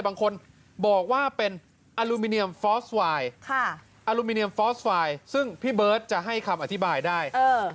บางคนบอกว่าเป็นค่ะซึ่งพี่เบิร์ตจะให้คำอธิบายได้